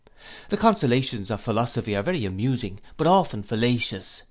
The consolations of philosophy are very amusing, but often fallacious.